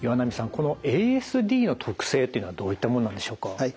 このＡＳＤの特性っていうのはどういったものなんでしょうか？